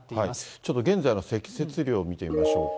ちょっと、現在の積雪量を見てみましょうか。